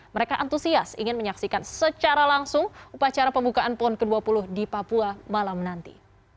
mereka antusias ingin menyaksikan secara langsung upacara pembukaan pon ke dua puluh di papua malam nanti